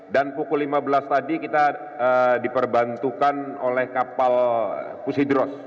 dan pukul lima belas tadi kita diperbantukan oleh kapal pusidros